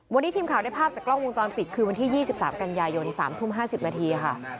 วันนี้ทีมข่าวได้ภาพจากกล้องวงจรปิดคือวันที่๒๓กันยายน๓ทุ่ม๕๐นาทีค่ะ